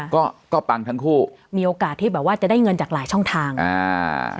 ก็ก็ปังทั้งคู่มีโอกาสที่แบบว่าจะได้เงินจากหลายช่องทางอ่า